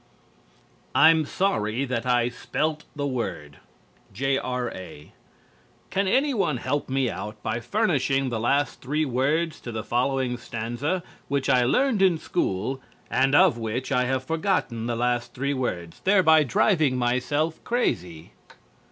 "I'M SORRY THAT I SPELT THE WORD" J.R.A. Can anyone help me out by furnishing the last three words to the following stanza which I learned in school and of which I have forgotten the last three words, thereby driving myself crazy?